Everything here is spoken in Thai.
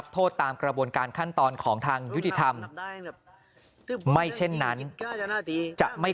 โทษตามกระบวนการขั้นตอนของทางยุติธรรมไม่เช่นนั้นจะไม่